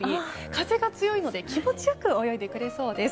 風が強いので気持ちよく泳いでくれそうです。